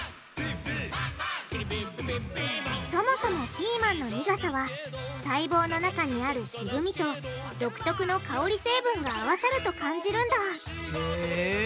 そもそもピーマンの苦さは細胞の中にある渋みと独特の香り成分が合わさると感じるんだへぇ。